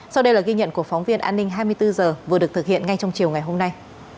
sau đây là ghi nhận của phóng viên an ninh hai mươi bốn h vừa được thực hiện ngay trong chiều ngày hôm nay